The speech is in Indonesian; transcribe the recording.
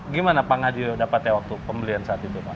gimana pak ngadio dapatnya waktu pembelian saat itu pak